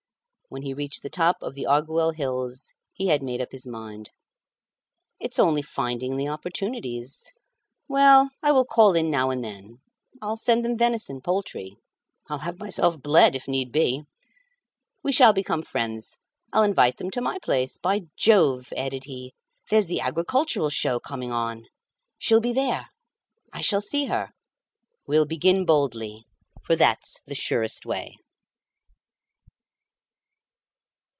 When he reached the top of the Arguiel hills he had made up his mind. "It's only finding the opportunities. Well, I will call in now and then. I'll send them venison, poultry; I'll have myself bled, if need be. We shall become friends; I'll invite them to my place. By Jove!" added he, "there's the agricultural show coming on. She'll be there. I shall see her. We'll begin boldly, for that's the surest way."